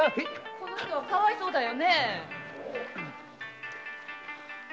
この人がかわいそうだよ。